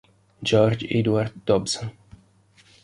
George Edward Dobson